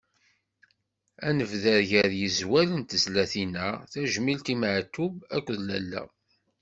Ad nebder gar yizwal n tezlatin-a: Tajmilt i Matoub akked lalla.